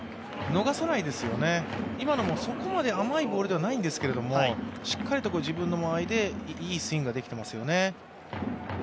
逃さないですよね、今のもそこまで甘いボールではないんですけれども、しっかりと自分の間合いでいいスイングができていますよね。